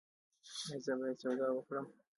ایا زه باید سودا وکړم؟